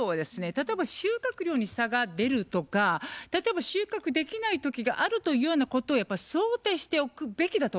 例えば収穫量に差が出るとか例えば収穫できない時があるというようなことをやっぱり想定しておくべきだと思うんですよね。